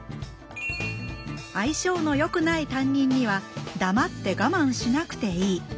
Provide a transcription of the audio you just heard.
相性のよくない担任には黙ってガマンしなくていい。